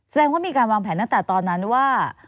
แสดงว่ามีการวางแผนตั้งแต่ตอนนั้นว่า